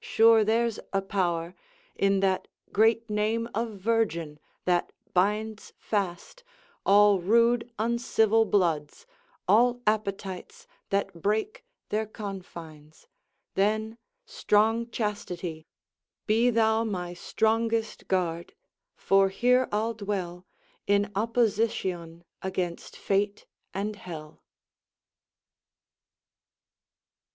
Sure there's a power In that great name of Virgin, that binds fast All rude uncivil bloods, all appetites That break their confines. Then, strong Chastity, Be thou my strongest guard; for here I'll dwell In opposition against fate and hell.